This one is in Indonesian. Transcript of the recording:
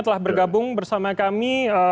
telah bergabung bersama kami